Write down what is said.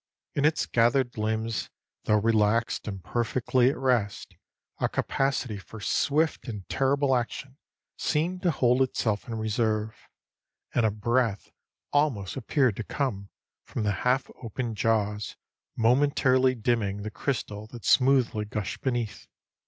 In its gathered limbs, though relaxed and perfectly at rest, a capacity for swift and terrible action seemed to hold itself in reserve, and a breath almost appeared to come from the half opened jaws, momentarily dimming the crystal that smoothly gushed beneath.